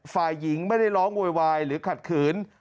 ฝ่ายหญิงไม่ได้ร้องโวยวายหรือขัดขืน